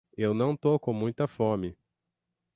Eu não tô com muita fome.